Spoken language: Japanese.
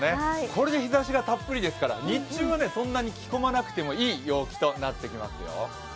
これで日ざしがたっぷりですから日中はそんなに着込まなくてもいい陽気となってきますよ。